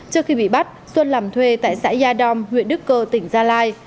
trước khi bị bắt xuân làm thuê tại xã yadom huyện đức cơ tỉnh gia lai